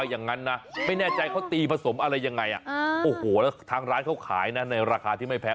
อย่างนั้นนะไม่แน่ใจเขาตีผสมอะไรยังไงโอ้โหแล้วทางร้านเขาขายนะในราคาที่ไม่แพง